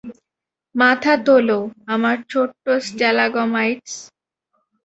মাথা তোলো, আমার ছোট্ট স্ট্যালাগমাইটস।